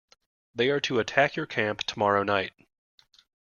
They are to attack your camp tomorrow night.